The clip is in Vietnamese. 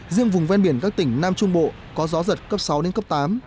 riêng vùng ven biển các tỉnh nam trung bộ có gió giật cấp sáu đến cấp tám